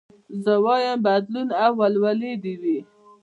زه وايم بدلون او ولولې دي وي